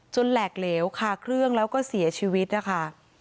แหลกเหลวคาเครื่องแล้วก็เสียชีวิตนะคะ